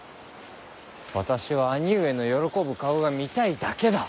私は兄上の喜ぶ顔が見たいだけだ。